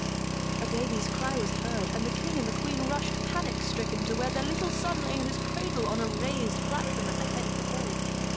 A baby's cry was heard, and the King and the Queen rushed panic stricken to where their little son lay in his cradle on a raised platform at the head of the hall.